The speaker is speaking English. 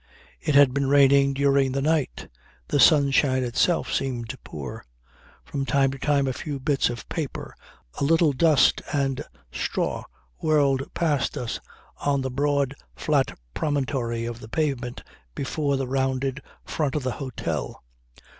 It had been raining during the night. The sunshine itself seemed poor. From time to time a few bits of paper, a little dust and straw whirled past us on the broad flat promontory of the pavement before the rounded front of the hotel.